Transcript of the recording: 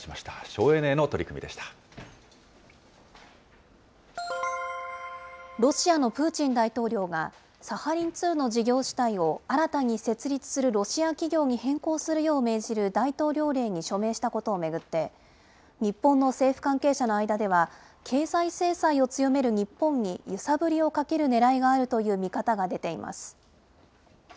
省エネへの取り組ロシアのプーチン大統領が、サハリン２の事業主体を新たに設立するロシア企業に変更するよう命じる大統領令に署名したことを巡って、日本の政府関係者の間では、経済制裁を強める日本に揺さぶりをかけるねらいがあるという見方が出ています。